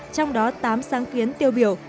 trong đó tám sáng kiến tiêu biểu